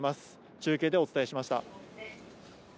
中継でお伝えしました。